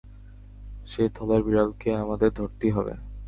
সেই থলের বিড়ালকে আমাদের ধরতেই হবে।